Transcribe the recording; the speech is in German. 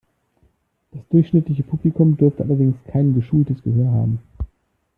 Das durchschnittliche Publikum dürfte allerdings kein geschultes Gehör haben.